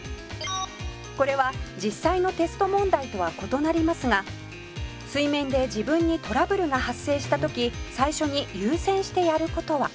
「これは実際のテスト問題とは異なりますが水面で自分にトラブルが発生した時最初に優先してやる事は？」